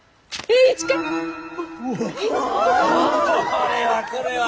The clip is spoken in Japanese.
これはこれは。